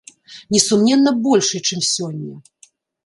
Несумненна большай, чым сёння.